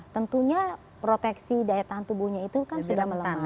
tentunya proteksi daya tahan tubuhnya itu kan sudah melemah